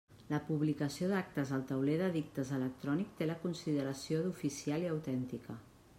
La publicació d'actes al Tauler d'edictes electrònic té la consideració d'oficial i autèntica.